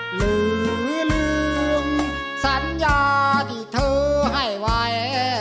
หรือลืมสัญญาที่เธอให้ไว้